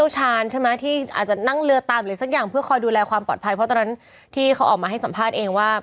จะตามอะไรสักอย่างเพื่อคอยดูแลความปลอดภัยเพราะตอนนั้นที่เขาออกมาให้สัมภาษณ์เองว่า